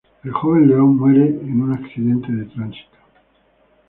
El joven Leon muere en un accidente de Tránsito.